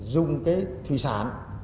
dùng cái thủy sản